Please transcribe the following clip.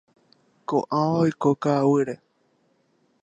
Ko'ãva oiko ka'aguýre.